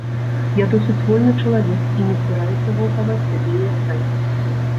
Я досыць вольны чалавек і не збіраюся гвалтаваць сябе і астатніх.